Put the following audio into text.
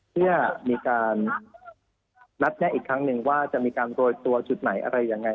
เพื่อมีการนัดแนะอีกครั้งหนึ่งว่าจะมีการโรยตัวจุดไหนอะไรยังไง